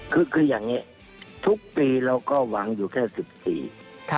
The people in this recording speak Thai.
คืออย่างนี้ทุกปีเราก็หวังอยู่แค่๑๐ปี